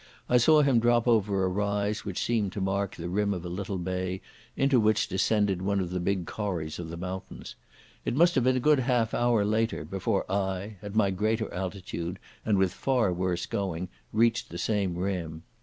I saw him drop over a rise which seemed to mark the rim of a little bay into which descended one of the big corries of the mountains. It must have been a good half hour later before I, at my greater altitude and with far worse going, reached the same rim.